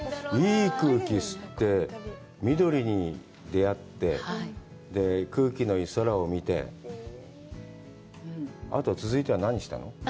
いい空気吸って、緑に出会って、空気のいい空を見て、あと続いては何したの？